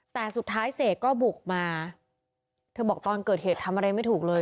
แต่สุดท้ายเสกก็บุกมาเธอบอกตอนเกิดเหตุทำอะไรไม่ถูกเลย